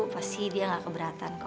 pasti dia nggak keberatan kok